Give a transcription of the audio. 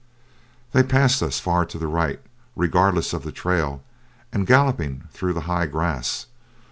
They passed us far to the right, regardless of the trail, and galloping through the high grass.